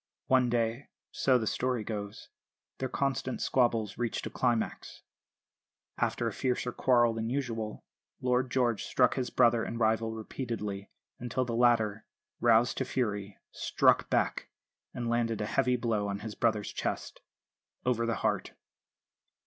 One day, so the story goes, their constant squabbles reached a climax. After a fiercer quarrel than usual Lord George struck his brother and rival repeatedly, until the latter, roused to fury, struck back and landed a heavy blow on his brother's chest, over the heart.